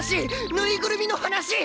ぬいぐるみの話！